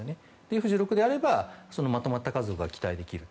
Ｆ１６であればまとまった数が期待できると。